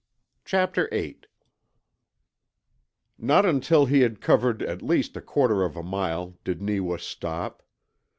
CHAPTER EIGHT Not until he had covered at least a quarter of a mile did Neewa stop.